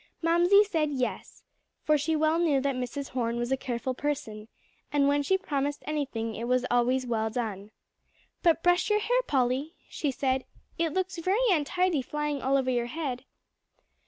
Mamsie said "yes," for she well knew that Mrs. Horne was a careful person, and when she promised anything it was always well done. "But brush your hair, Polly," she said, "it looks very untidy flying all over your head."